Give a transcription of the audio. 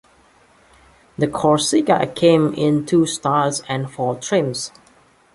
The Corsica came in two styles and four trims.